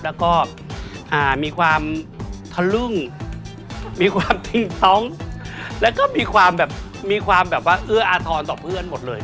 แล้วก็มีความทะลึ่งมีความติ้งท้องแล้วก็มีความแบบมีความแบบว่าเอื้ออาทรต่อเพื่อนหมดเลย